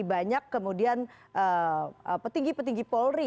banyak kemudian petinggi petinggi polri